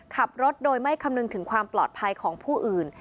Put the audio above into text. ขับรถโดยไม่คำนึงถึงความปลอดภัยของผู้อื่น